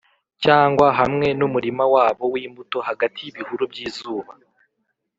cyangwa hamwe numurima wabo wimbuto hagati yibihuru byizuba